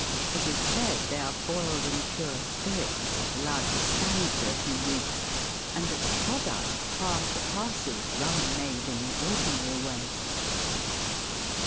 It is said they are boiled in pure spirits, and allowed to stand for a few weeks, and that the product far surpasses rum made in the ordinary way